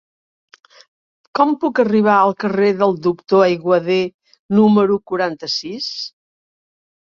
Com puc arribar al carrer del Doctor Aiguader número quaranta-sis?